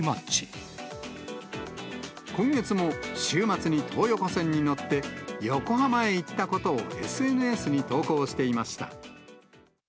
今月も、週末に東横線に乗って、横浜へ行ったことをＳＮＳに投稿していました。